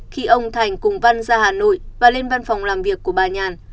khi ông thành cùng văn ra hà nội và lên văn phòng làm việc của bà nhàn